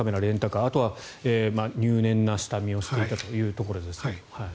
あとは入念な下見をしていたというところですが。